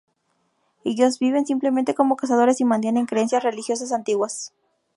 Ellos viven simplemente como cazadores y mantienen creencias religiosas antiguas.